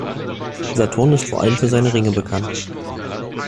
Saturn ist vor allem für seine Ringe bekannt.